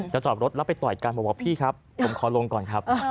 จอดรถแล้วไปต่อยกันบอกว่าพี่ครับผมขอลงก่อนครับ